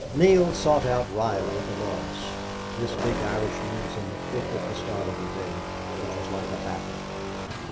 Neale sought out Reilly, the boss. This big Irishman was in the thick of the start of the day which was like a battle.